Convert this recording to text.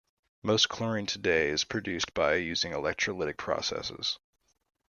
Most chlorine today is produced by using electrolytic processes.